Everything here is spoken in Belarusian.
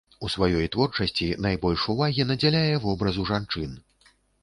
У сваёй творчасці найбольш увагі надзяляе вобразу жанчын.